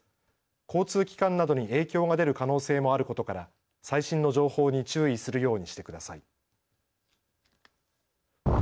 交通機関などに影響が出る可能性もあることから最新の情報に注意するようにしてください。